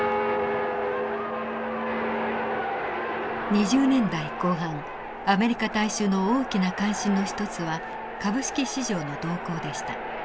２０年代後半アメリカ大衆の大きな関心の一つは株式市場の動向でした。